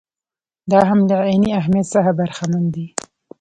دا هم له عیني اهمیت څخه برخمن دي.